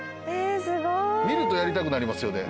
見るとやりたくなりますよね。